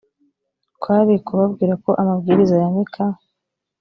kwari kubabwira ko amabwiriza ya mika